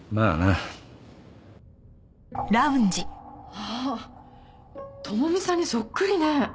あっ朋美さんにそっくりね。